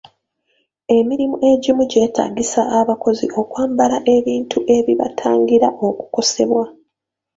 Emirimu egimu gyeetaagisa abakozi okwambala ebintu ebibatangira okukosebwa.